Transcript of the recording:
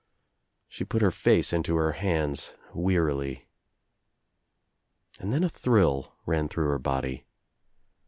She put her face into her hands, wearily. And then a thrill ran through her body.